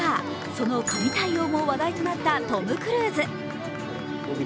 その神対応も話題となったトム・クルーズ。